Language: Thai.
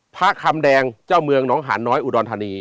พระคำแดงเจ้าเมืองน้องหานน้อยอุดรธานี